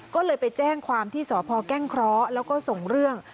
ก็เลยไปแจ้งความที่สพแก้งเคราะห์แล้วก็ส่งเรื่อง